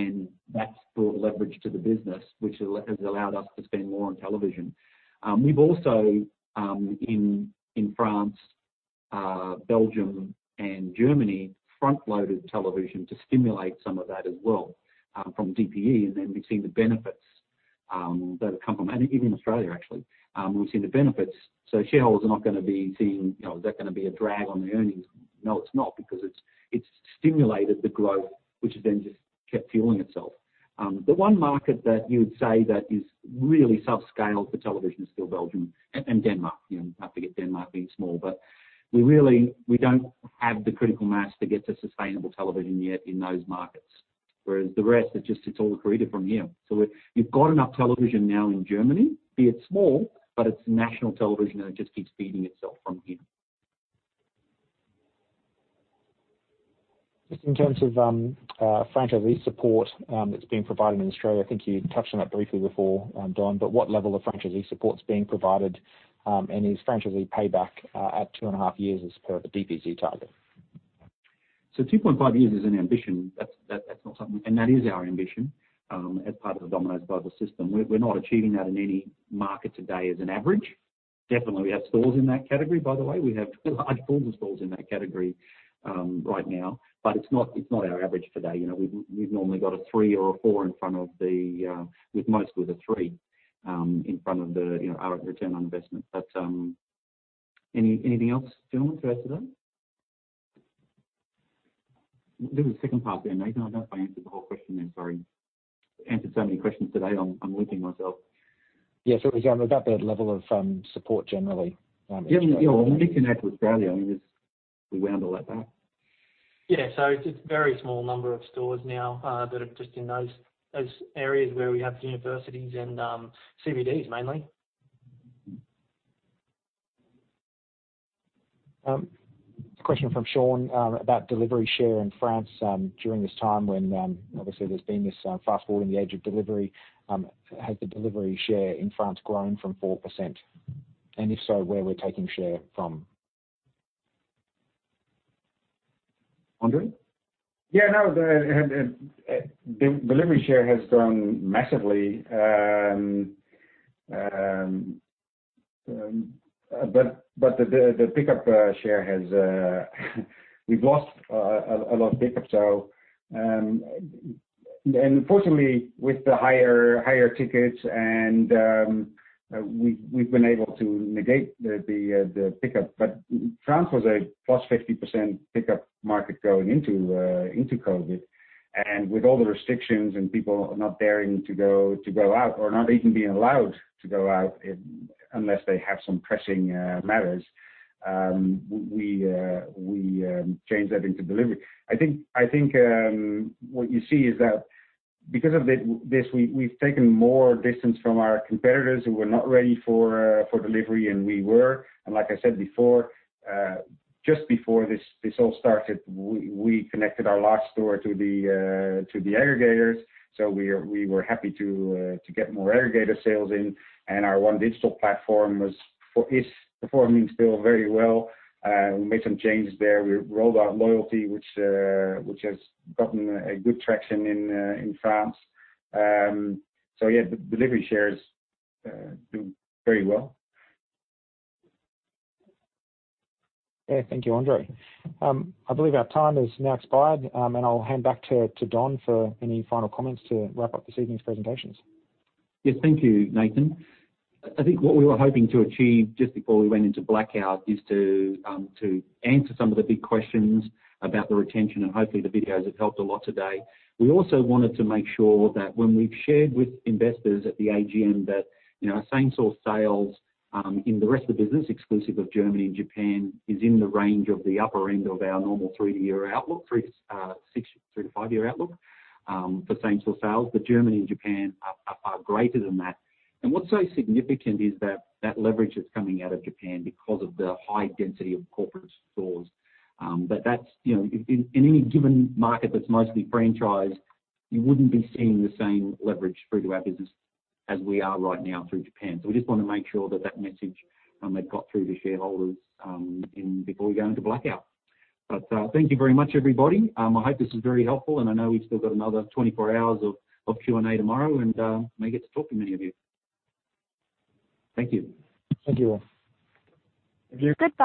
and that's brought leverage to the business, which has allowed us to spend more on television. We've also, in France, Belgium, and Germany, front-loaded television to stimulate some of that as well from DPE, and then we've seen the benefits that have come from, even in Australia, actually. We've seen the benefits. So shareholders are not going to be seeing, "Is that going to be a drag on the earnings?" No, it's not because it's stimulated the growth, which has then just kept fueling itself. The one market that you would say that is really subscaled for television is still Belgium and Denmark. You don't have to get Denmark being small. But we don't have the critical mass to get to sustainable television yet in those markets, whereas the rest are just, it's all accretive from here. So you've got enough television now in Germany, be it small, but it's national television, and it just keeps feeding itself from here. Just in terms of franchisee support that's being provided in Australia, I think you touched on that briefly before, Don, but what level of franchisee support's being provided? And is franchisee payback at two and a half years as per the DPE target? 2.5 years is an ambition. That's not something we, and that is our ambition as part of the Domino's global system. We're not achieving that in any market today as an average. Definitely, we have stores in that category, by the way. We have large pools of stores in that category right now. But it's not our average today. We've normally got a three or a four in front of the, with most a three in front of our return on investment. But anything else, Kilimnik, to add to that? There was a second part there, Nathan. I don't know if I answered the whole question there. Sorry. Answered so many questions today. I'm looping myself. Yeah, so we've got that level of support generally. Yeah. Nick can add to Australia. I mean, we wound all that back. Yeah, so it's a very small number of stores now that are just in those areas where we have universities and CBDs mainly. Question from Shaun about delivery share in France during this time when obviously there's been this fast forward in the age of delivery. Has the delivery share in France grown from 4%, and if so, where we're taking share from? Andre? Yeah. No. The delivery share has grown massively. But the pickup share has, we've lost a lot of pickup. And fortunately, with the higher tickets, we've been able to negate the pickup. But France was a plus 50% pickup market going into COVID. And with all the restrictions and people not daring to go out or not even being allowed to go out unless they have some pressing matters, we changed that into delivery. I think what you see is that because of this, we've taken more distance from our competitors who were not ready for delivery, and we were. And like I said before, just before this all started, we connected our last store to the aggregators. So we were happy to get more aggregator sales in. And our OneDigital platform is performing still very well. We made some changes there. We rolled out loyalty, which has gotten good traction in France. So yeah, the delivery shares do very well. Yeah. Thank you, Andre. I believe our time has now expired, and I'll hand back to Don for any final comments to wrap up this evening's presentations. Yes. Thank you, Nathan. I think what we were hoping to achieve just before we went into blackout is to answer some of the big questions about the retention. And hopefully, the videos have helped a lot today. We also wanted to make sure that when we've shared with investors at the AGM that same-store sales in the rest of the business, exclusive of Germany and Japan, is in the range of the upper end of our normal three- to five-year outlook for same-store sales. But Germany and Japan are greater than that. And what's so significant is that that leverage is coming out of Japan because of the high density of corporate stores. But in any given market that's mostly franchised, you wouldn't be seeing the same leverage through to our business as we are right now through Japan. So we just want to make sure that that message had got through to shareholders before we go into blackout, but thank you very much, everybody. I hope this was very helpful, and I know we've still got another 24 hours of Q&A tomorrow, and may get to talk to many of you. Thank you. Thank you all. Good.